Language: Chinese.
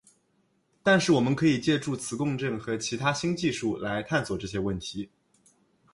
但是我们可以借助磁共振和其他新技术来探索这些问题。